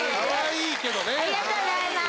ありがとうございます。